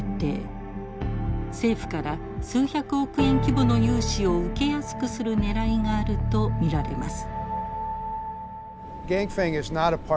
政府から数百億円規模の融資を受けやすくするねらいがあると見られます。